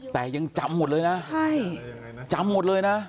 แต่ยังจำหมดเลยนะใช่จำหมดเลยนะ